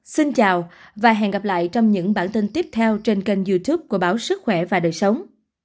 xin chào và hẹn gặp lại trong những bản tin tiếp theo trên kênh youtube của báo sức khỏe và đời sống